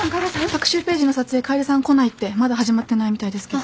特集ページの撮影楓さん来ないってまだ始まってないみたいですけど。